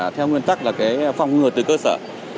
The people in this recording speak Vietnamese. theo nguyên tắc là phòng ngừa từ cơ sở